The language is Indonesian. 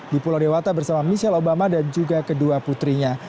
di pulau dewata bersama michelle obama dan juga kedua putrinya